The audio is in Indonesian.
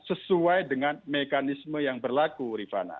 sesuai dengan mekanisme yang berlaku rifana